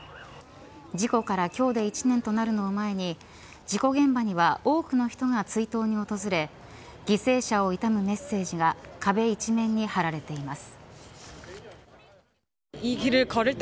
事故から今日で１年となるのを前に事故現場には多くの人が追悼に訪れ犠牲者を悼むメッセージが壁一面に貼られています。